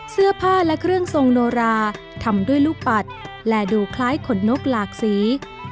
เสื้อผ้าและเครื่องทรงโนราทำด้วยลูกปัดและดูคล้ายขนนกหลากสี